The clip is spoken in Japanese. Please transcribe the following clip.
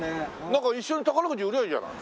なんか一緒に宝くじ売りゃいいじゃない。